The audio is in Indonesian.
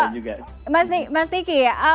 jangan sampai juga